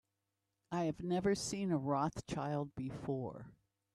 I have never seen a Rothschild before.